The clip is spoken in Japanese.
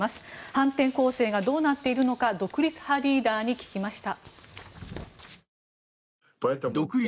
反転攻勢がどうなっているのか独立派リーダーに聞きました。